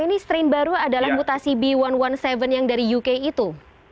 ini strain baru adalah mutasi b satu satu tujuh yang dari uk itu